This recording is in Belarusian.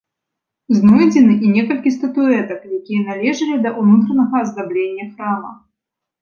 Знойдзены і некалькі статуэтак, якія належалі да ўнутранага аздаблення храма.